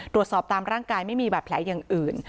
ตามร่างกายไม่มีบาดแผลอย่างอื่น